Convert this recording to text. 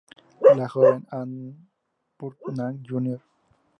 La joven Ann Putnam Jr.